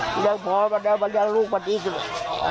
เรียกพอมันแล้วเรียกลูกมันดีกว่า